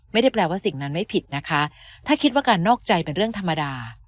ไม่ได้แปลว่าสิ่งนั้นไม่ผิดนะคะถ้าคิดว่าการนอกใจเป็นเรื่องธรรมดา